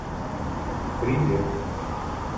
It became known as "the hockey puck".